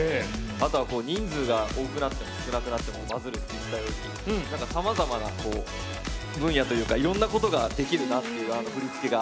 あとは、人数が多くなっても少なくなってもバズるって言ってたようにさまざまな分野というかいろんなことができるなっていう振り付けが。